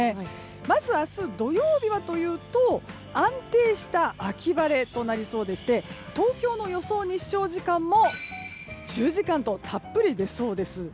まず明日、土曜日は安定した秋晴れとなりそうで東京の予想日照時間も１０時間とたっぷり出そうです。